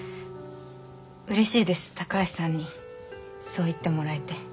嬉しいです高橋さんにそう言ってもらえて。